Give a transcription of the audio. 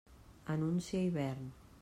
Anuncia hivern.